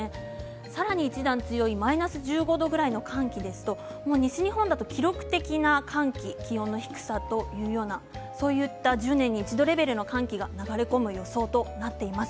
さらに一段強いマイナス１５度くらいの寒気ですと西日本だと記録的な寒気気温の低さというようなそういった１０年に一度レベルの寒気が流れ込む予想となっています。